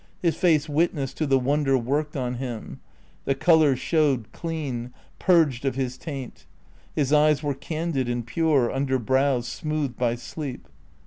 His face witnessed to the wonder worked on him. The colour showed clean, purged of his taint. His eyes were candid and pure under brows smoothed by sleep.